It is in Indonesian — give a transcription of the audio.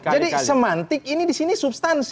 jadi semantik ini disini substansi